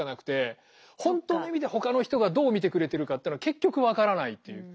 本当の意味でほかの人がどう見てくれてるかってのは結局分からないという。